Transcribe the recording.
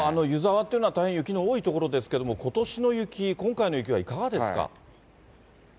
湯沢っていうのは、大変雪の多い所ですけれども、ことしの雪、今回の雪はいかがですか。